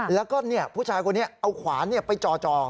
แล้วก็ผู้ชายคนนี้เอาขวานไปจ่อ